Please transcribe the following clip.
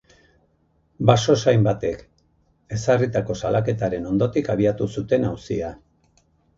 Basozain batek ezarritako salaketaren ondotik abiatu zuten auzia.